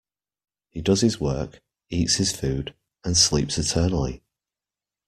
He does his work, eats his food, and sleeps eternally!